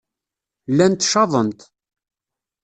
Llant caṭent.